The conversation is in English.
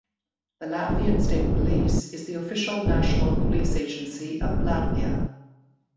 The Latvian State Police is the official national police agency of Latvia.